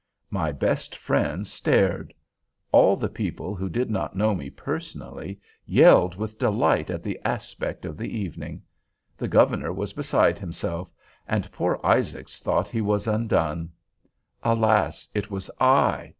My best friends stared. All the people who did not know me personally yelled with delight at the aspect of the evening; the Governor was beside himself, and poor Isaacs thought he was undone! Alas, it was I!